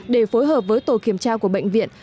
để phối hợp với tổ kiểm tra của bệnh viện